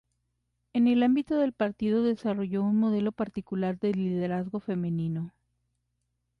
En el ámbito del partido, desarrolló un modelo particular de liderazgo femenino.